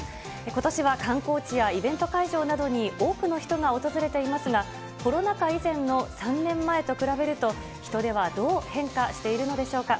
ことしは観光地やイベント会場などに多くの人が訪れていますが、コロナ禍以前の３年前と比べると、人出はどう変化しているのでしょうか。